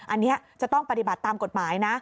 อันนี้จะต้องปฏิบัติตามกฎหมายนะ